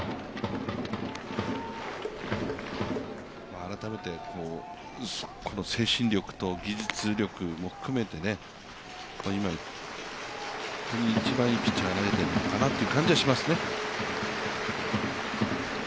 改めて精神力と技術力を含めて今、一番ピッチャーが投げているのかなという感じはしますね。